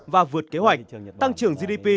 và vượt kế hoạch tăng trưởng gdp